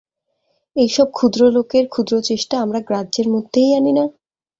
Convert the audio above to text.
এই সব ক্ষুদ্র লোকের ক্ষুদ্র চেষ্টা আমরা গ্রাহ্যের মধ্যেই আনি না।